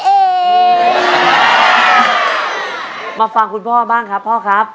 กรรมสรรค์มาฟังคุณพ่อบ้างครับพ่อครับ